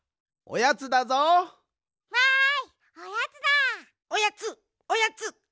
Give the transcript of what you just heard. おやつおやつ！